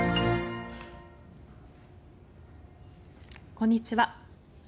こんにちは。